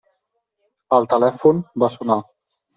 El telèfon va sonar.